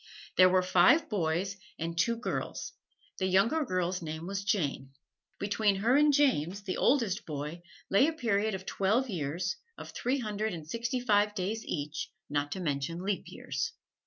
There were five boys and two girls, and the younger girl's name was Jane. Between her and James, the oldest boy, lay a period of twelve years of three hundred and sixty five days each, not to mention leap years.